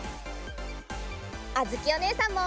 あづきおねえさんも！